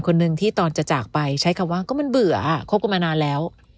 คนหนึ่งที่ตอนจะจากไปใช้คำว่าก็มันเบื่อคบกันมานานแล้ว